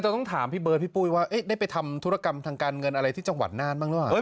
ต้องถามพี่เบิร์ดพี่ปุ้ยว่าได้ไปทำธุรกรรมทางการเงินอะไรที่จังหวัดน่านบ้างหรือเปล่า